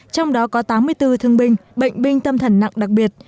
trong đó có tám mươi bốn thương binh bệnh binh tâm thần nặng đặc biệt